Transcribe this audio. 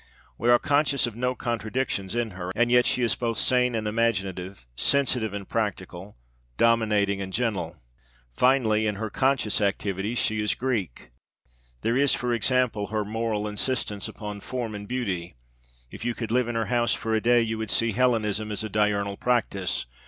We are conscious of no contradictions in her, and yet she is both sane and imaginative, sensitive and practical, dominating and gentle. Finally, in her conscious activities she is Greek. There is, for example, her moral insistence upon form and beauty. If you could live in her house for a day you would see Hellenism as a diurnal practice.